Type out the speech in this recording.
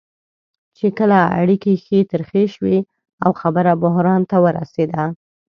چې کله اړیکې ښې ترخې شوې او خبره بحران ته ورسېده.